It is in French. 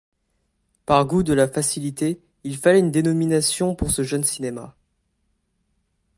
Par goût de la facilité, il fallait une dénomination pour ce jeune cinéma.